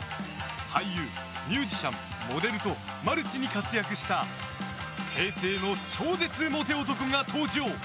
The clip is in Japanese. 俳優、ミュージシャン、モデルとマルチに活躍した平成の超絶モテ男が登場！